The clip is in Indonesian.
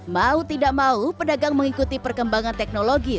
mau tidak mau pedagang mengikuti perkembangan teknologi